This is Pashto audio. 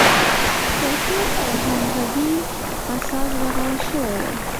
پر پټ او همغږي اساس رغول شوې وه.